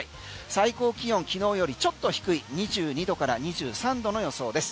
最高気温、昨日よりちょっと低い２２度から２３度の予想です。